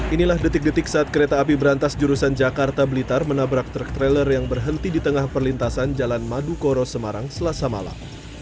inilah detik detik saat kereta api berantas jurusan jakarta blitar menabrak truk trailer yang berhenti di tengah perlintasan jalan madukoro semarang selasa malam